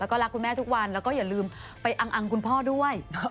แล้วก็รักคุณแม่ทุกวันแล้วก็อย่าลืมไปอังคุณพ่อด้วย